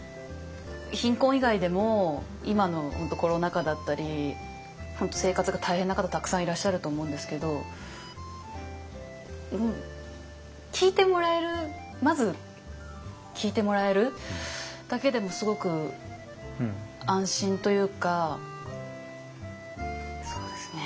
貧困以外でも今の本当コロナ禍だったり本当生活が大変な方たくさんいらっしゃると思うんですけどまず聞いてもらえるだけでもすごく安心というかそうですね。